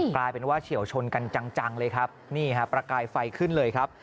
กลายเป็นว่าเฉียวชนกันจังเลยครับนี่ฮะประกายไฟขึ้นเลยครับ